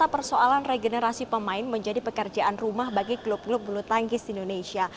persoalan regenerasi pemain menjadi pekerjaan rumah bagi klub klub bulu tangkis di indonesia